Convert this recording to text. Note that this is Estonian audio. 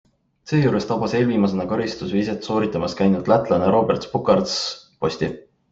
Seejuures tabas eelviimasena karistusviset sooritamas käinud lätlane Roberts Bukarts posti.